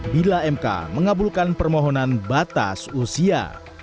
bila mk mengabulkan permohonan batas usia